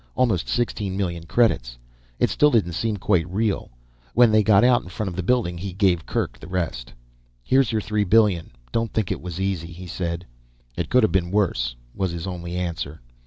Almost sixteen million credits. It still didn't seem quite real. When they got out in front of the building he gave Kerk the rest. "Here's your three billion, don't think it was easy," he said. "It could have been worse," was his only answer.